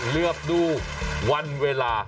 เลือกดูวันเวลา